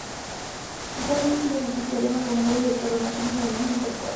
Actualmente sigue en el club soriano como nuevo director de marketing e imagen corporativa.